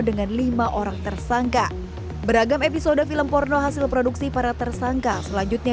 dengan lima orang tersangka beragam episode film porno hasil produksi para tersangka selanjutnya